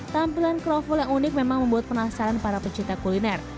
tampilan kroffel yang unik memang membuat penasaran para pecinta kuliner